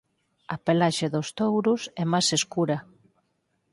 A pelaxe dos touros é máis escura.